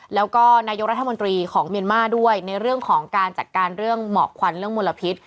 แล้วก็นายกรัฐมนตรีของเมียนมาร์ด้วยในเรื่องของการจัดการเรื่องหมอกควันเรื่องมลพิษ